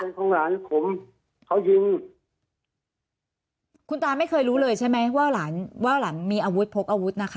ของหลานผมเขายิงคุณตาไม่เคยรู้เลยใช่ไหมว่าหลานว่าหลานมีอาวุธพกอาวุธนะคะ